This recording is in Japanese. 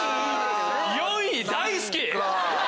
４位大好き！